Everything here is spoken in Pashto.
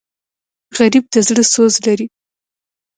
غریب د زړه سوز لري